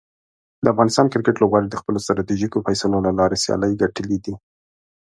د افغانستان کرکټ لوبغاړو د خپلو ستراتیژیکو فیصلو له لارې سیالۍ ګټلي دي.